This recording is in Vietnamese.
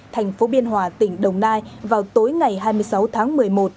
thành phố biên hòa tỉnh đồng nai vào tối ngày hai mươi sáu tháng một mươi một